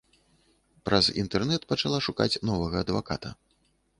Праз інтэрнэт пачала шукаць новага адваката.